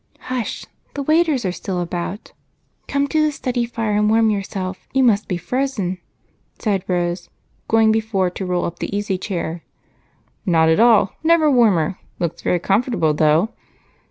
"Hush! The waiters are still about. Come to the study fire and warm yourself, you must be frozen," said Rose, going before to roll up the easy chair. "Not at all never warmer looks very comfortable, though.